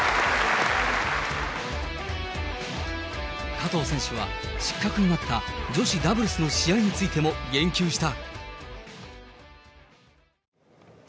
加藤選手は、失格になった女子ダブルスの試合についても言及した。